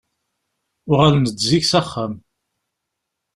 Uɣalen-d zik s axxam.